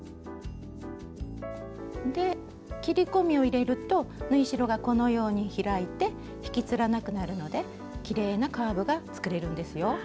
で切り込みを入れると縫い代がこのように開いて引きつらなくなるのできれいなカーブが作れるんですよ。